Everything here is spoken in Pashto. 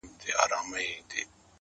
ه تا خو تل تر تله په خپگان کي غواړم؛